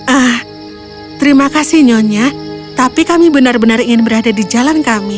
ah terima kasih nyonya tapi kami benar benar ingin berada di jalan kami